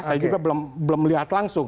saya juga belum melihat langsung